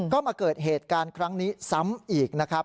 ก็มาเกิดเหตุการณ์ครั้งนี้ซ้ำอีกนะครับ